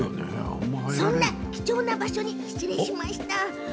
そんな貴重な場所にお邪魔しました。